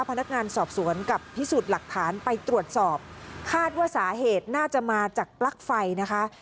พนักงานสอบสวนกับพิสูจน์หลักฐานไปตรวจสอบคาดว่าสาเหตุน่าจะมาจากปลั๊กไฟนะคะ